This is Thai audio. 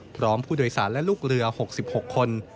พร้อมผู้โดยสารและลูกเรือ๖๖คน